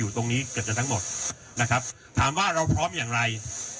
ตรงนี้เกือบจะทั้งหมดนะครับถามว่าเราพร้อมอย่างไร